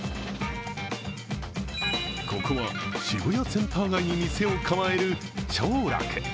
ここは、渋谷・センター街に店を構える兆楽。